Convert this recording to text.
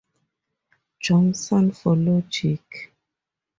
Johnson, for logic.